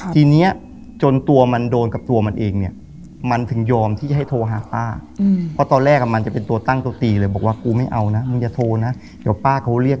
ทีเนี้ยจนตัวมันโดนกันตัวมันเองเนี้ย